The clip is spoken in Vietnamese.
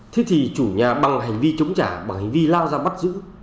thế thì chủ nhà bằng hành vi chống trả bởi hành vi lao ra bắt giữ